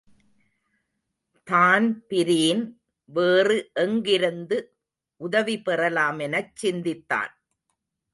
Dan Breen வேறு எங்கிருந்து உதவி பெறலாமெனச் சிந்தித்தான்.